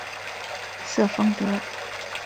瑟丰德。